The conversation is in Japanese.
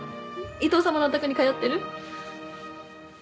伊藤様のお宅に通ってる？